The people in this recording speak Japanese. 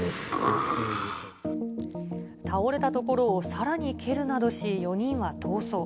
倒れたところをさらに蹴るなどし、４人は逃走。